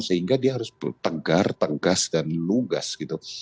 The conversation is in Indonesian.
sehingga dia harus tegar tegas dan lugas gitu